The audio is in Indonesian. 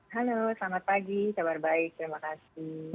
halo selamat pagi kabar baik terima kasih